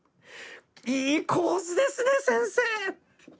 いい構図ですね先生！」。